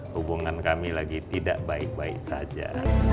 hubungan kami lagi tidak baik baik saja